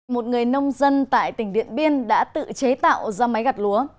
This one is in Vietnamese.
một người nông dân tại tỉnh điện biên đã tự chế tạo ra máy gặt lúa